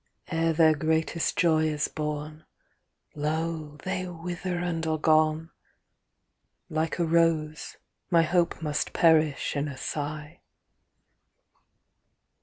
Ere their greatest joy is born, Lo! they wither and are gone; Like a rose my hope must perish In a sigh.